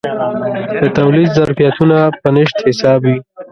د تولید ظرفیتونه په نشت حساب وي.